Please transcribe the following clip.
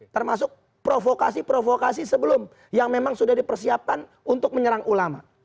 termasuk provokasi provokasi sebelum yang memang sudah dipersiapkan untuk menyerang ulama